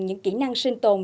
những kỹ năng sinh tồn